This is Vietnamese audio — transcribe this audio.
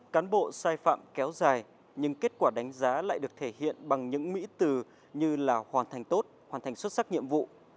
cán bộ sai phạm kéo dài nhưng kết quả đánh giá lại được thể hiện bằng những mỹ từ như là hoàn thành tốt hoàn thành xuất sắc nhiệm vụ